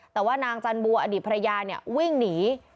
แต่ว่านางจันบัวอดีตภรรยาเนี่ยวิ่งหนี